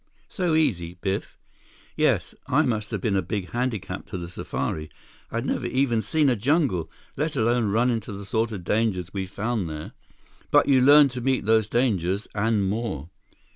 "So easy, Biff?" "Yes. I must have been a big handicap to the safari. I'd never even seen a jungle, let alone run into the sort of dangers we found there." "But you learned to meet those dangers, and more."